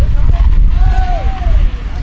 สวัสดีครับทุกคน